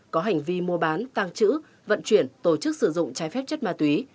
có hành vi mua bán tăng trữ vận chuyển tổ chức sử dụng trái phép chất ma túy